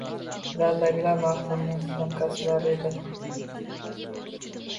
Zaldagilar marhumning hamkasblari edi